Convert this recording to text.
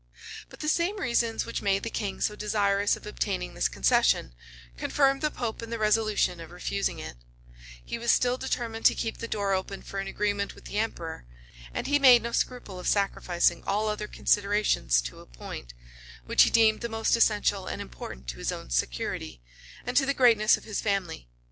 [*] But the same reasons which made the king so desirous of obtaining this concession, confirmed the pope in the resolution of refusing it: he was still determined to keep the door open for an agreement with the emperor; and he made no scruple of sacrificing all other considerations to a point, which he deemed the most essential and important to his own security, and to the greatness of his family.